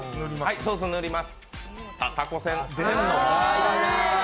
ソース塗ります。